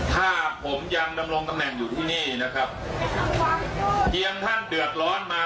ถ้าผมยังดำรงตำแหน่งอยู่ที่นี่นะครับเพียงท่านเดือดร้อนมา